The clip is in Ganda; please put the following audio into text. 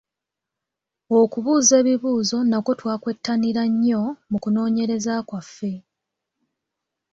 Okubuuza ebibuuzo nakwo twakwettanira nnyo mu kunoonyereza kwaffe.